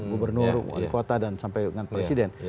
gubernur wali kota dan sampai dengan presiden